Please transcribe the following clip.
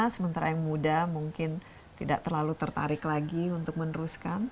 sementara yang muda mungkin tidak terlalu tertarik lagi untuk meneruskan